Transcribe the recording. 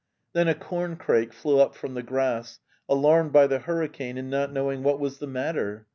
... Then a corncrake flew up from the grass, alarmed by the hurricane and not knowing what was the matter.